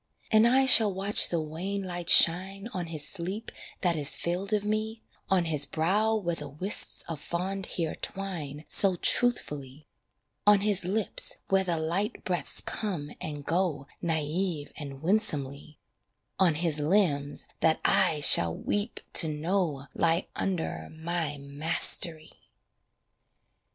And I shall watch the wan light shine On his sleep that is filled of me, On his brow where the wisps of fond hair twine So truthfully, On his lips where the light breaths come and go Naïve and winsomely, On his limbs that I shall weep to know Lie under my mastery.